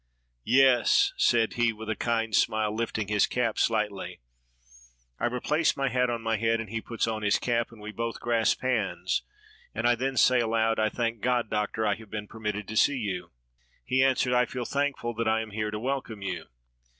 "Yes," said he, with a kind smile, Ufting his cap slightly. I replace my hat on my head, and he puts on his cap, and we both grasp hands, and I then say aloud :— "I thank God, Doctor, I have been permitted to see you." He answered, "I feel thankful that I am here to wel come you."